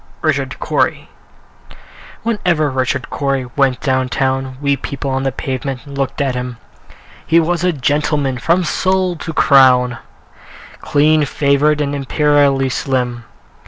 Richard Cory Whenever Richard Cory went down town, We people on the pavement looked at him: He was a gentleman from sole to crown, Clean favored, and imperially slim.